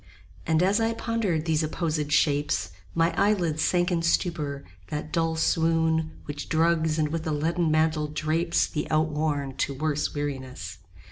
And as I pondered these opposed shapes My eyelids sank in stupor, that dull swoon 20 Which drugs and with a leaden mantle drapes The outworn to worse weariness.